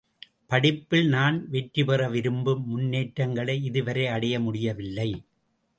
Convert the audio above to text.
படிப்பில் நான் வெற்றிபெற விரும்பும் முன்னேற்றங்களை இதுவரை அடைய முடியவில்லை.